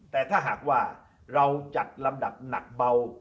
แต่ถ้าหากว่าเราจัดลำดับหนักเบา